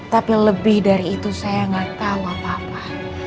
tapi lebih dari itu saya nggak tahu apa apa